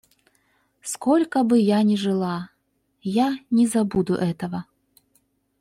Сколько бы я ни жила, я не забуду этого.